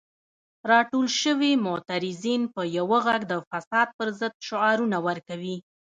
راټول شوي معترضین په یو غږ د فساد پر ضد شعارونه ورکوي.